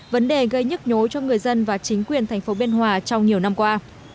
vấn đề gây nhức nhối cho người dân và chính quyền thành phố biên hòa trong nhiều năm qua